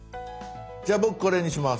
じゃあ僕これにします。